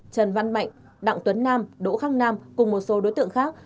trần văn mạnh đặng tuấn nam đỗ khắc nam cùng một số đối tượng khác